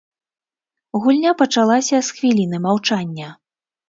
Гульня пачалася з хвіліны маўчання.